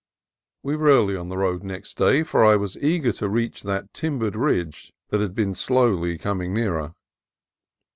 We were early on the road next day, for I was eager to reach that timbered ridge that had been slowly coming nearer.